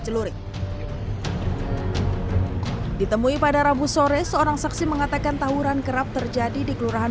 celuri ditemui pada rabu sore seorang saksi mengatakan tawuran kerap terjadi di kelurahan